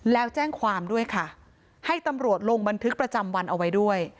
แล้วแจ้งความด้วยค่ะให้ตำรวจลงบันทึกประจำวันเอาไว้ด้วย